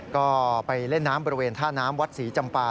ก็ไปเล่นน้ำบริเวณท่าน้ำวัดศรีจำปา